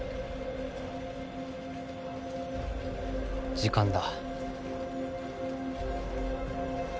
時間だ。